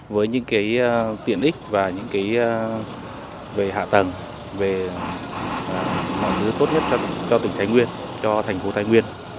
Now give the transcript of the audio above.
với những tiện ích và những về hạ tầng về mọi thứ tốt nhất cho tỉnh thái nguyên cho thành phố thái nguyên